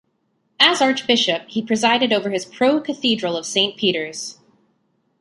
As Archbishop, he presided over his pro-cathedral of Saint Peter's.